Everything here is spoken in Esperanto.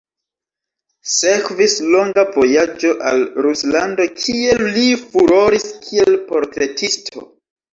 Sekvis longa vojaĝo al Ruslando kie li furoris kiel portretisto.